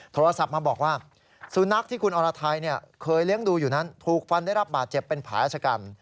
โทรศัพท์มาบอกว่าสุนัขที่คุณอรไทยเคยเลี้ยงดูอยู่นั้นถูกฟันได้รับบาดเจ็บเป็นแผลชะกัน